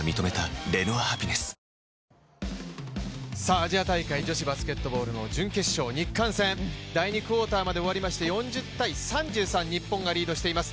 アジア大会女子バスケットボールの準決勝日韓戦、第２クオーターまで終わりまして４０−３３、日本がリードしています。